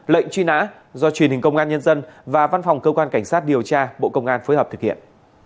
lệnh truy nã do truyền hình công an nhân dân và văn phòng cơ quan cảnh sát điều tra bộ công an phối hợp thực hiện